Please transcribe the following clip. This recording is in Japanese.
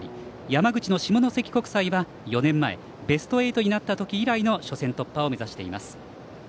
山口の下関国際は４年前ベスト８になった時以来の初戦突破を目指しています。